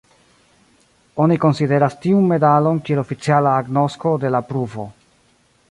Oni konsideras tiun medalon kiel oficiala agnosko de la pruvo.